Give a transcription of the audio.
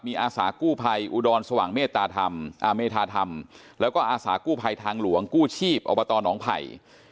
มีอาสากู้ไผ่อุดรศว่างเมธาธรรมแล้วก็อาสากู้ไผ่ทางหลวงกู้ชีพอบตน้องไผ่